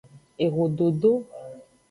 Ehododo.